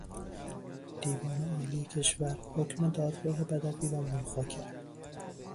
دیوان عالی کشور حکم دادگاه بدوی را ملغی کرد.